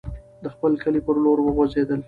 د خپل کلي پر لور وخوځېدل.